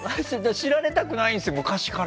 知られたくないんですよ昔から。